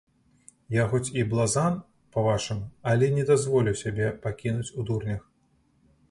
Я хоць і блазан, па-вашаму, але не дазволю сябе пакінуць у дурнях.